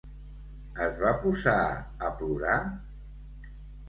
Es va posar a plorar?